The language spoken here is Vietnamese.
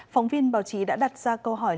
phóng viên báo chí đã đặt ra câu hỏi